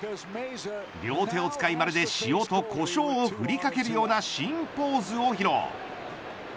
両手を使いまるで塩と胡椒をふりかけるような新ポーズを披露。